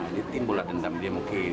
ini tim bola dendam dia mungkin